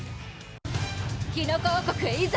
キノコ王国へいざ！